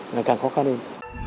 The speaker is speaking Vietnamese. là càng khó khăn hơn